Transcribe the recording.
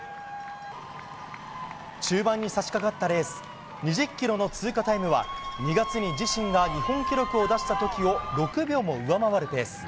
中盤に差し掛かったレース２０ｋｍの通過タイムは２月に自身が日本記録を出した時を６秒も上回るペース。